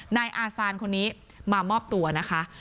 นายอาซานคนนี้มามอบตัวนะคะ